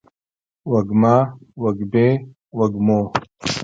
وږمه، وږمې ، وږمو